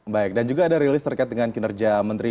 baik dan juga ada rilis terkait dengan kinerja menteri